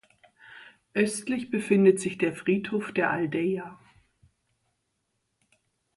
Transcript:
Östlich befindet sich der Friedhof der Aldeia.